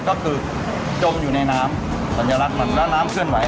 ก็คือจมอยู่ในน้ำสัญลักษณ์มันแล้วน้ำเคลื่อนไห